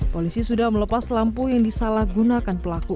polisi sudah melepas lampu yang disalahgunakan pelaku